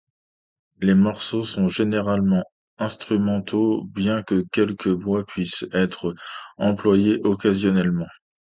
Les morceaux sont généralement instrumentaux, bien que quelques voix puissent être employées occasionnellement.